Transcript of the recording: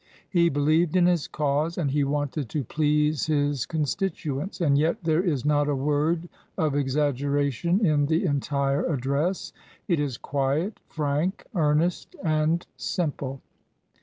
He believed in his cause and he 40 EARLY APTITUDES wanted to please his constituents, and yet there is not a word of exaggeration in the entire address. It is quiet, frank, earnest, and simple.